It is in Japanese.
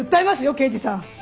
刑事さん！